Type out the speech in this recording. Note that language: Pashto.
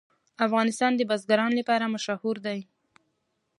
افغانستان د بزګان لپاره مشهور دی.